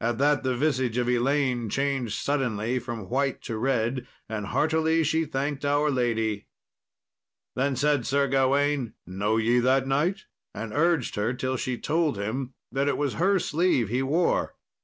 At that the visage of Elaine changed suddenly from white to red, and heartily she thanked our Lady. Then said Sir Gawain, "Know ye that knight?" and urged her till she told him that it was her sleeve he wore.